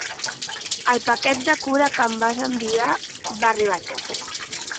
El paquet de cura que em vas enviar va arribar a temps.